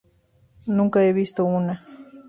Nunca he visto una.